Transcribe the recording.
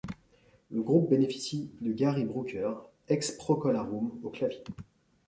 Le groupe bénéficie de la présence de Gary Brooker, ex Procol Harum, aux claviers.